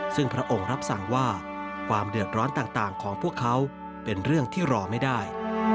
ซึ่งพระองค์รับสั่งว่าความเดือดร้อนต่างของพวกเขาเป็นเรื่องที่รอไม่ได้